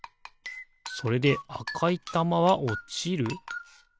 それであかいたまはおちる？